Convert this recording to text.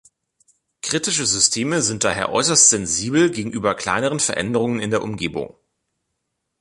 Kritische Systeme sind daher äußerst sensibel gegenüber kleinen Veränderungen in der Umgebung.